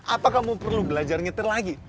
apa kamu perlu belajar nyetir lagi